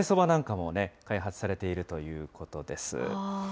そしてまぜそばなんかも開発されているということです。